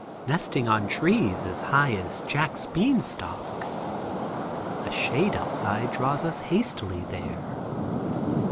Nesting on trees as high as Jack's beanstalk. A shade outside draws us hastily there.